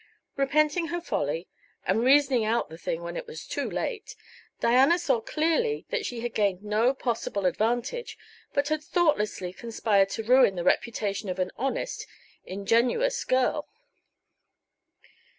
Repenting her folly and reasoning out the thing when it was too late, Diana saw clearly that she had gained no possible advantage, but had thoughtlessly conspired to ruin the reputation of an honest, ingenuous girl.